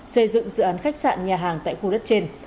xây dựng dự án khách sạn nhà hàng tại khu đất trên